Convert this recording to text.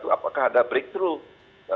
apakah ada breakthrough